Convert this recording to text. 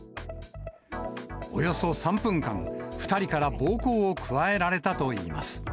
およそ３分間、２人から暴行を加えられたといいます。